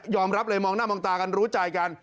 รับเลยมองหน้ามองตากันรู้ใจกัน